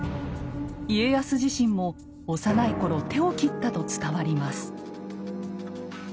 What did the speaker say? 家康自身も幼い頃手を切ったと伝わります。